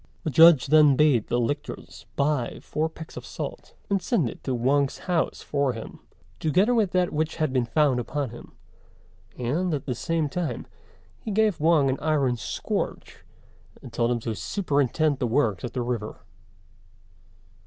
The Judge then bade the lictors buy four pecks of salt, and send it to Wang's house for him, together with that which had been found upon him; and, at the same time, he gave Wang an iron scourge, and told him to superintend the works at the river.